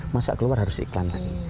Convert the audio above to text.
masa keluar harus iklan lagi